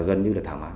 gần như là thảm hạng